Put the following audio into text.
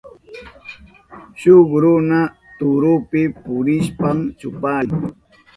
Shuk runa turupi purishpan chuparin.